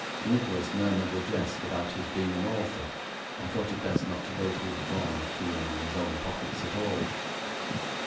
Nicholas murmured a jest about his being an author, and thought it best not to go through the form of feeling in his own pockets at all.